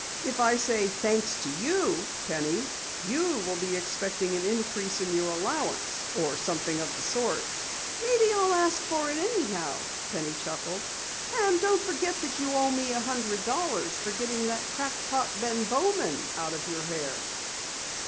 "If I say thanks to you, Penny, you will be expecting an increase in your allowance or something of the sort." "Maybe I'll ask for it anyhow," Penny chuckled. "And don't forget that you owe me a hundred dollars for getting that crack pot, Ben Bowman, out of your hair!"